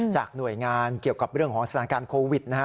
หน่วยงานเกี่ยวกับเรื่องของสถานการณ์โควิดนะฮะ